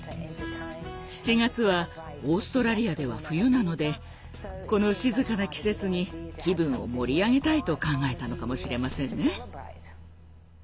７月はオーストラリアでは冬なのでこの静かな季節に気分を盛り上げたいと考えたのかもしれませんね。